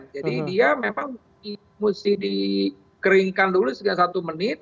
jadi dia memang mesti dikeringkan dulu sekitar satu menit